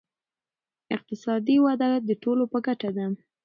اقتصادي وده د ټولو په ګټه ده.